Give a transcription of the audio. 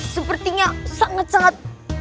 sepertinya sangat sangat